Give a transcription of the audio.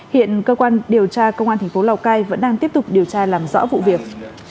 hiện cơ quan điều tra công an thành phố lào cai vẫn đang tiếp tục điều tra làm rõ vụ việc